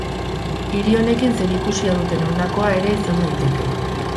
Hiri honekin zerikusia duten honakoa ere izan daiteke.